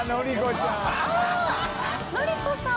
のり子さん。